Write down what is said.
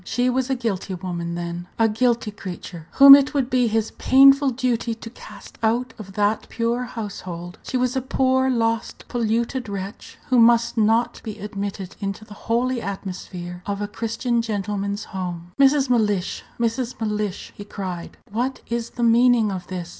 She was a guilty woman, then a guilty creature, whom it would be his painful duty to cast out of that pure household. She was a poor, lost, polluted wretch, who must not be admitted into the holy atmosphere of a Christian gentleman's home. "Mrs. Mellish! Mrs. Mellish!" he cried, "what is the meaning of this?